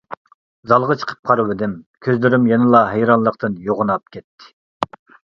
زالغا چىقىپ قارىۋىدىم، كۆزلىرىم يەنىلا ھەيرانلىقتىن يوغىناپ كەتتى.